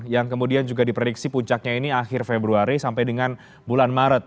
yang kemudian juga diprediksi puncaknya ini akhir februari sampai dengan bulan maret